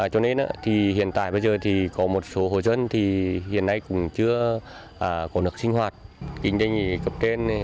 cho nên hiện tại bây giờ có một số hồ dân hiện nay cũng chưa có nước sinh hoạt kinh doanh cập tên